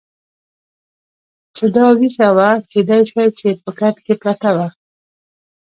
چې دا دې وېښه وه، کېدای شوه چې په کټ کې پرته وه.